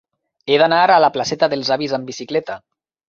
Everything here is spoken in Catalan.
He d'anar a la placeta dels Avis amb bicicleta.